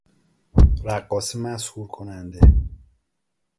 رقاص مسحور کننده